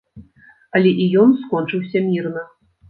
Але і ён скончыўся мірна.